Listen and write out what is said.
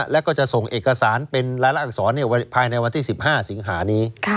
แล้วก็จะส่งเอกสารเป็นรายละอักษรภายในวันที่๑๕สิงหานี้